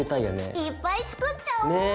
いっぱい作っちゃおう！ね！